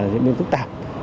diễn biến phức tạp